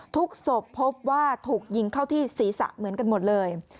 ศพพบว่าถูกยิงเข้าที่ศีรษะเหมือนกันหมดเลย